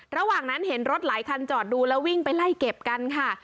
ระหว่างนั้นเห็นรถหลายคันจอดดูแล้ววิ่งไปไล่เก็บกันค่ะ